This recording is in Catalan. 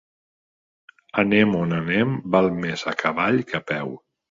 Anem on anem, val més a cavall que a peu.